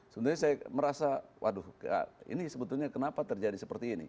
sebenarnya saya merasa waduh ini sebetulnya kenapa terjadi seperti ini